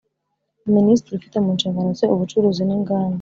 Minisitiri ufite mu nshingano ze Ubucuruzi n’Inganda